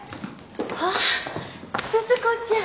あっ鈴子ちゃん。